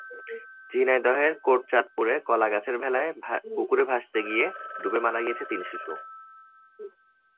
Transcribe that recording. ঝিনাইদহের কোটচাঁদপুরে কলাগাছের ভেলায় পুকুরে ভাসতে গিয়ে ডুবে মারা গেছে তিন শিশু।